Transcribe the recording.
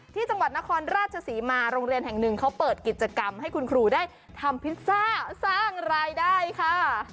ที่จังหวัดนครราชศรีมาโรงเรียนแห่งหนึ่งเขาเปิดกิจกรรมให้คุณครูได้ทำพิซซ่าสร้างรายได้ค่ะ